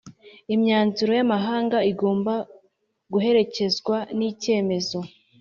imyanzuro y amahanga igomba guherekezwa n icyemezo